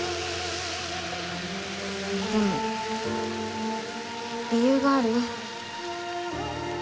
でも理由があるよ